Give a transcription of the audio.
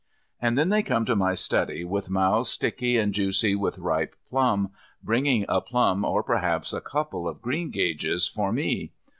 And then they come to my study with mouths sticky and juicy with ripe plum bringing a plum or perhaps a couple of greengages for me.